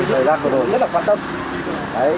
đời la cổ đồ rất là quan tâm